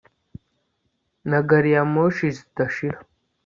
Na gari ya moshi zidashira